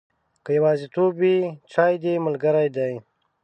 که یوازیتوب وي، چای دې ملګری دی.